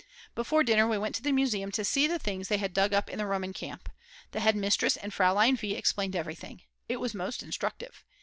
Before dinner we went to the museum to see the things they had dug up in the Roman camp. The head mistress and Fraulein V. explained everything. It was most instructive.